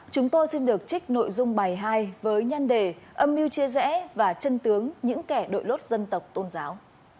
chúng tôi xin được trích nội dung bài hai với nhân đề âm mưu chia rẽ và chân tướng những kẻ đội lốt dân tộc tôn giáo